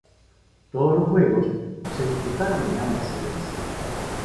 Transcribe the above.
Todos los juegos se disputaron en ambas sedes.